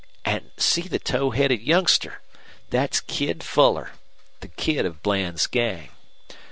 An' see the tow headed youngster. Thet's Kid Fuller, the kid of Bland's gang.